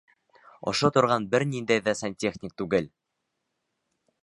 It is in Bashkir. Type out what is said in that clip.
Ошо торған бер ниндәй ҙә сантехник түгел!